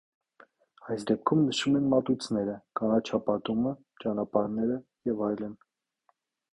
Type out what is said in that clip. Այս դեպքում նշվում են մատույցները, կանաչապատումը, ճանապարհները և այլն։